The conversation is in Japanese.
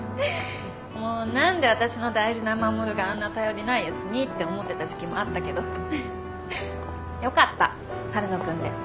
もう何で私の大事な衛があんな頼りないやつにって思ってた時期もあったけどよかった春野君で。